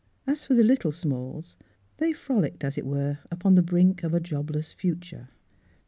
As for the little Smalls, they frolicked, as it were, upon the brink of a jobless future.